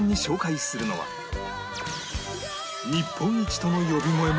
日本一との呼び声も！？